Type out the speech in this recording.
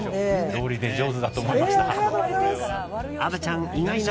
どおりで上手だと思いました。